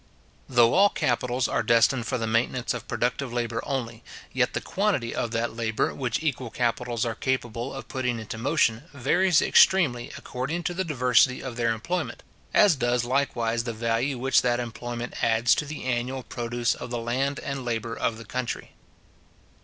Though all capitals are destined for the maintenance of productive labour only, yet the quantity of that labour which equal capitals are capable of putting into motion, varies extremely according to the diversity of their employment; as does likewise the value which that employment adds to the annual produce of the land and labour of the country.